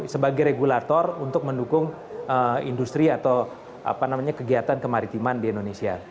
sebagai regulator untuk mendukung industri atau kegiatan kemaritiman di indonesia